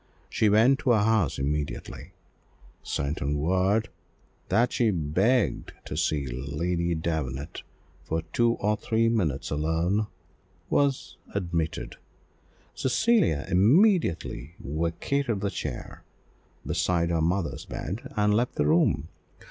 She went to her house immediately, sent in word that she begged to see Lady Davenant for two or three minutes alone, was admitted; Cecilia immediately vacated the chair beside her mother's bed, and left the room.